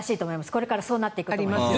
これからそうなっていくと思います。